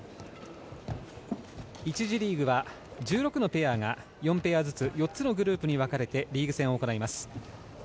１次リーグは１６のペアが４ペアずつ４つのリーグに分かれて予選が行われます。